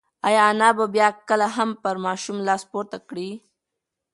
ایا انا به بیا کله هم پر ماشوم لاس پورته کړي؟